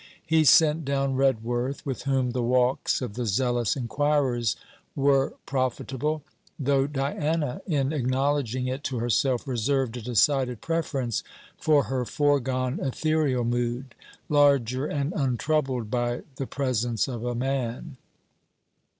He sent down Redworth, with whom the walks of the zealous inquirers were profitable, though Diana, in acknowledging it to herself, reserved a decided preference for her foregone ethereal mood, larger, and untroubled by the presence of a man.